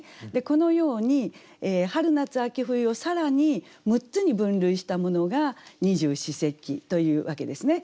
このように春夏秋冬を更に６つに分類したものが二十四節気というわけですね。